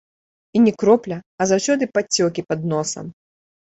І не кропля, а заўсёды падцёкі пад носам.